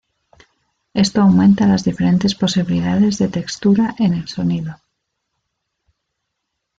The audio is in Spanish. Esto aumenta las diferentes posibilidades de texturas en el sonido.